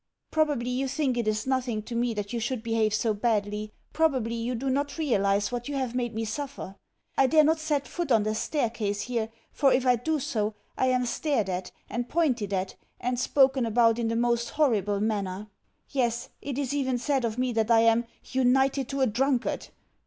Probably you think it is nothing to me that you should behave so badly; probably you do not realise what you have made me suffer. I dare not set foot on the staircase here, for if I do so I am stared at, and pointed at, and spoken about in the most horrible manner. Yes, it is even said of me that I am "united to a drunkard."